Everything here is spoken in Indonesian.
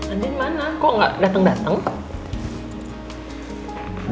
andi mana kok nggak dateng dateng